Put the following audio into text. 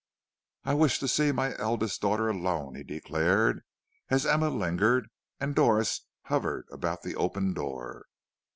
"'I wish to see my eldest daughter alone,' he declared, as Emma lingered and Doris hovered about the open door.